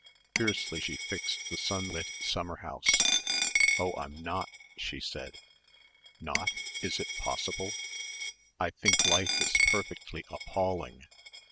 Fiercely she fixed the sunlit summer house, "Oh, I'm not," she said. "Not? Is it possible?" "I think life is perfectly appalling."